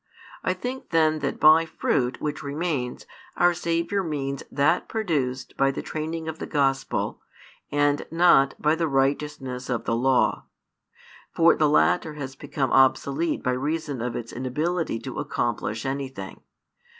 I think then that by fruit which remains our Saviour means that produced by the training of the Gospel and not by the righteousness of the Law. For the latter has become obsolete by reason of its inability to accomplish anything.